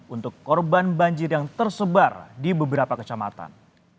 untuk korban banjir yang tersebar di beberapa kecamatan